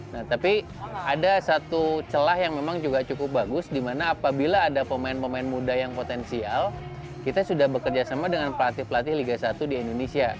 nah tapi ada satu celah yang memang juga cukup bagus di mana apabila ada pemain pemain muda yang potensial kita sudah bekerja sama dengan pelatih pelatih liga satu di indonesia